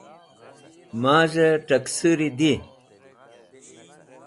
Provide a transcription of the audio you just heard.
Maz̃hey Taksuri Di